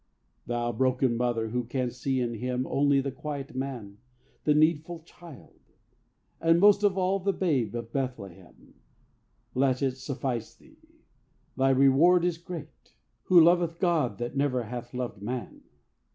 "Thou broken mother who canst see in him Only the quiet man, the needful child, And most of all the Babe of Bethlehem, Let it suffice thee. Thy reward is great. Who loveth God that never hath loved man?